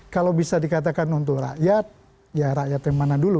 kalau bisa dikatakan untuk rakyat ya rakyat yang mana dulu